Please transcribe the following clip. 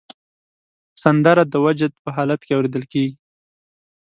سندره د وجد په حالت کې اورېدل کېږي